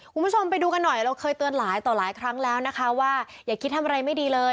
คุณผู้ชมไปดูกันหน่อยเราเคยเตือนหลายต่อหลายครั้งแล้วนะคะว่าอย่าคิดทำอะไรไม่ดีเลย